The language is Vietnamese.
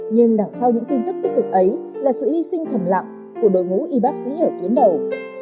nhưng đằng sau những tin tức tích cực ấy là sự hy sinh thầm lặng của đội ngũ y bác sĩ ở tuyến đầu